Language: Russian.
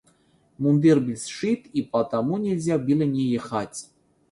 Мундир был сшит, и потому нельзя было не ехать.